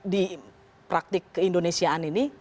di praktik keindonesiaan ini